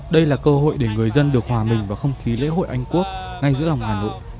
đây là cơ hội để người dân được hòa mình vào không khí lễ hội anh quốc ngay giữa lòng hà nội